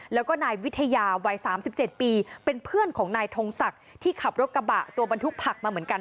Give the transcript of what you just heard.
แล้วก็นายวิทยาวัย๓๗ปีเป็นเพื่อนของนายทงศักดิ์ที่ขับรถกระบะตัวบรรทุกผักมาเหมือนกัน